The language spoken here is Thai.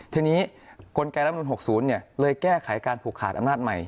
ทีนี้กลไกรรับนูล๖๐เลยแก้ไขการผูกขาดอำนาจใหม่